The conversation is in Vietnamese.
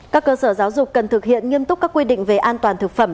các cơ sở giáo dục cần thực hiện nghiêm túc các quy định về an toàn thực phẩm